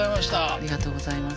ありがとうございます。